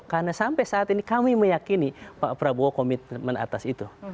karena sampai saat ini kami meyakini pak prabowo komitmen atas itu